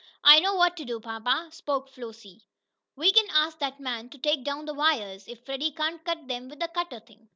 "I know what to do, papa," spoke Flossie. "We can ask that man to take down the wires, if Freddie can't cut them with the cutter thing."